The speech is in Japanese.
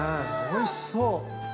おいしそう。